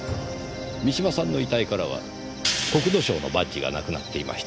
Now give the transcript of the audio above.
三島さんの遺体からは国土省のバッジがなくなっていました。